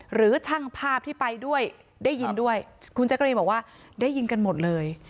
หรือช่างภาพที่ไปด้วยได้ยินด้วยคุณแจ๊กรีนบอกว่าได้ยินกันหมดเลย